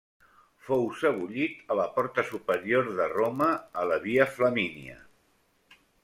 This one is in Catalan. Fou sebollit a la Porta Superior de Roma, a la Via Flamínia.